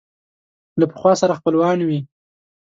له پخوا سره خپلوان وي